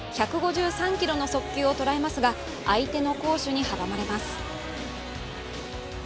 １５３キロの速球をとらえますが相手の好守に阻まれます。